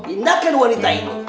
indah kan wanita ini